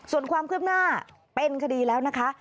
ส่วนความคืบหน้าเป็นคดีแล้วนะคะ